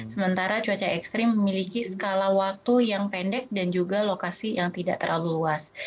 sementara cuaca ekstrim memiliki skala waktu yang pendek dan juga lokasi yang tidak terlalu luas